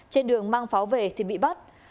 trên đường mang pháo về thì bị bắt